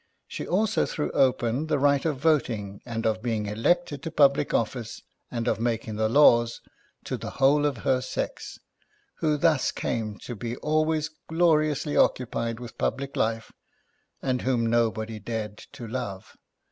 She also threw open the right of voting, and of being elected to public offices, and of making the laws, to the whole of her sex ; who thus came to be always gloriously occupied with public life and whom nobody dared to love.